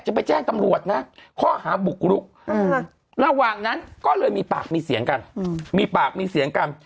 ไปแจ้งตำรวจนะข้อหาบุกรุกระหว่างนั้นก็เลยมีปากมีเสียงกันมีปากมีเสียงกัน